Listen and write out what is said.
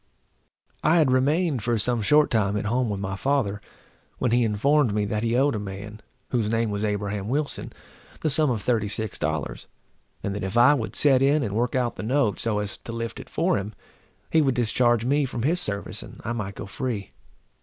I had remained for some short time at home with my father, when he informed me that he owed a man, whose name was Abraham Wilson, the sum of thirty six dollars, and that if I would set in and work out the note, so as to lift it for him, he would discharge me from his service, and I might go free.